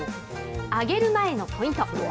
揚げる前のポイント。